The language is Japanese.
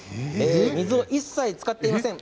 水を一切使っていません。